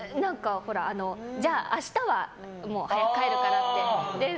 明日は早く帰るからって。